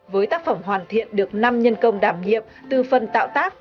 với tác phẩm hoàn thiện được năm nhân công đảm nghiệp tư phân tạo tác